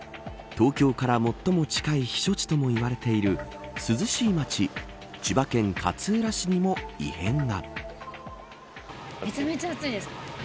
東京から最も近い避暑地ともいわれている涼しい町千葉県勝浦市にも異変が。